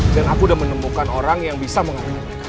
dan aku udah menemukan orang yang bisa mengalahkan mereka